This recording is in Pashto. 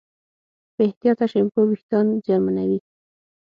بې احتیاطه شیمپو وېښتيان زیانمنوي.